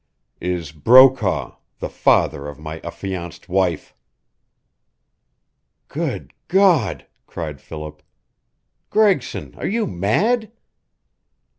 "Is Brokaw, the father of my affianced wife!" "Good God!" cried Philip. "Gregson, are you mad?"